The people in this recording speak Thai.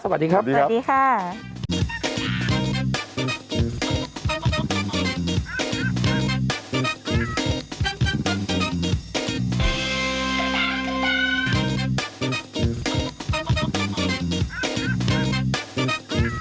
สวัสดีครับสวัสดีครับสวัสดีค่ะ